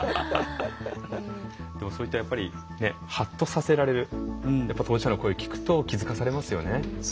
でも、そういったハッとさせられるやっぱり当事者の声を聞くと気付かされますよね。